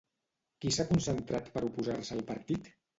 Qui s'ha concentrat per oposar-se al partit?